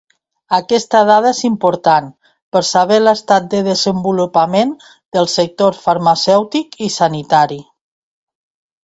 Aquesta dada és important per saber l'estat de desenvolupament del sector farmacèutic i sanitari.